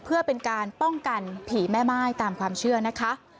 เพื่อเป็นการป้องกันผีแม่ม่ายตามความเชื่อนะคะ